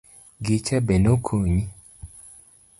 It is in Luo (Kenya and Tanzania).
Gicha be ne okonyi?